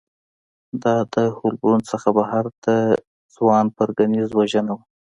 دا د هولبورن څخه بهر د ځوان پرکینز وژنه وه